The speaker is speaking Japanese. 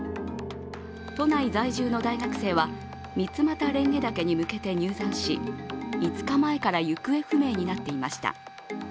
都内在住の大学生は三俣蓮華岳に向けて入山し５日前から行方不明になっていました。